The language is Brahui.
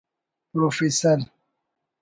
پروفیسر